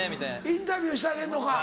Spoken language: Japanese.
インタビューしてあげんのか。